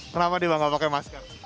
kenapa dia nggak pakai masker